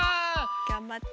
がんばって。